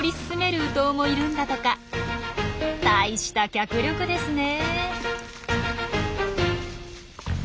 大した脚力ですね！